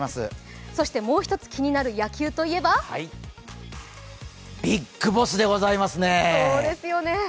そして、もう一つ気になる野球といえばＢＩＧＢＯＳＳでございますね。